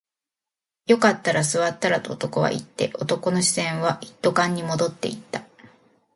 よかったら座ったらと男は言って、男の視線は一斗缶に戻っていた